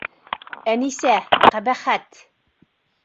Әнисә, ҡәбәхәт!..